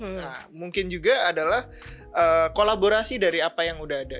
nah mungkin juga adalah kolaborasi dari apa yang udah ada